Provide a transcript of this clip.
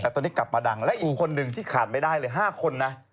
แต่ตอนนี้กลับมาดังและอีกคนนึงที่ขาดไม่ได้เลย๕คนนะ